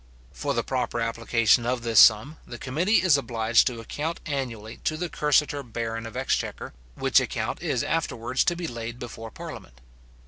For the proper application of this sum, the committee is obliged to account annually to the cursitor baron of exchequer; which account is afterwards to be laid before parliament.